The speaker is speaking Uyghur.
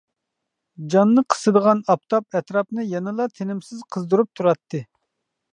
جاننى قىسىدىغان ئاپتاپ ئەتراپنى يەنىلا تىنىمسىز قىزدۇرۇپ تۇراتتى.